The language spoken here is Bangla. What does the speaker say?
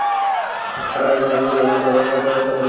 আর গণশৌচাগার ও রাস্তা বড় করার বিষয়ে জনস্বার্থ ছিল।